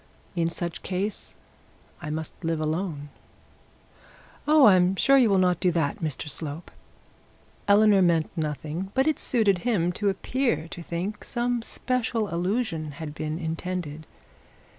In such case I must live alone.' 'Oh! I'm sure you will not do that, Mr Slope.' Eleanor meant nothing, but it suited him to appear that some special allusion had been intended.